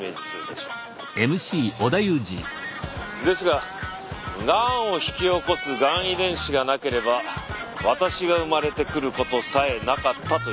ですががんを引き起こすがん遺伝子がなければ私が生まれてくることさえなかったというんです。